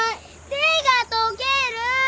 手が溶ける。